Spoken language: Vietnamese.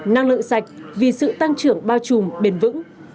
năng lượng sạch vì sự tăng trưởng bao trùm bền vững